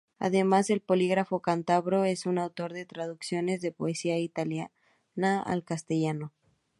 Además, el polígrafo cántabro es autor de traducciones de poesía italiana al castellano.